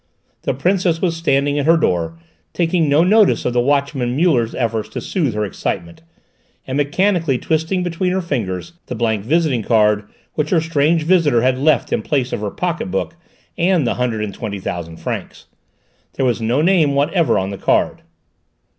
The Princess was standing at her door, taking no notice of the watchman Muller's efforts to soothe her excitement, and mechanically twisting between her fingers the blank visiting card which her strange visitor had left in place of her pocket book and the hundred and twenty thousand francs. There was no name whatever on the card.